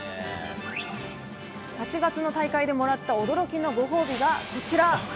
８月の大会でもらった驚きのご褒美が、こちら。